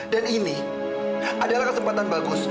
dan ini adalah kesempatan bagus